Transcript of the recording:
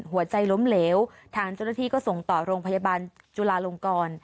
หัวใจล้มเหลวทางเจ้าหน้าที่ก็ส่งต่อโรงพยาบาลจุลาลงกร